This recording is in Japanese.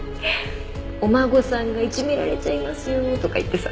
「お孫さんがいじめられちゃいますよ」とか言ってさ。